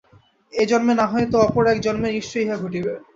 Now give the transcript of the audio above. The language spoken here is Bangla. এ জন্মে না হয় তো অপর এক জন্মে নিশ্চয়ই ইহা ঘটিবে।